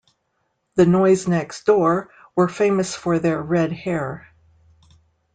The Noise Next Door were famous for their red hair.